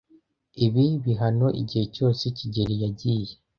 Ibi bibaho igihe cyose kigeli yagiye.